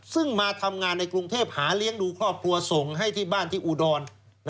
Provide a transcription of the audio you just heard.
ซึ่งมาทำงานในกรุงเทพหาเลี้ยงดูครอบครัวส่งให้ที่บ้านที่อุดร